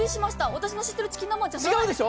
私の知ってるチキン南蛮じゃないです。